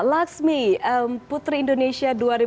lakshmi putri indonesia dua ribu dua puluh dua kemahiran